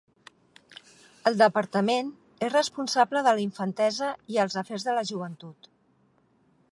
El departament és responsable de la infantesa i els afers de la joventut.